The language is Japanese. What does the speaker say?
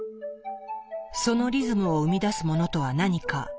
そのリズムを生み出すものとは何か。